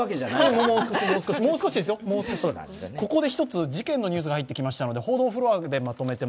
ここで１つ事件のニュースが入ってきました。